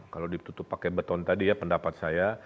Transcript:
kalau ditutup pakai beton tadi ya pendapat saya